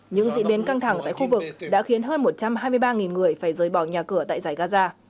những diễn biến căng thẳng tại khu vực đã khiến hơn một trăm hai mươi ba người phải rời bỏ nhà cửa tại giải gaza